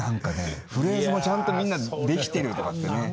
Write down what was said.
フレーズもちゃんとみんなできてるとかってね。